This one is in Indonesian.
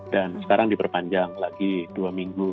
dan sekarang diperpanjang lagi dua minggu